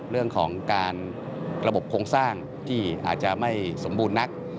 เรื่องของการระบบโครงสร้างที่อาจจะไม่สมบูรณ์นัก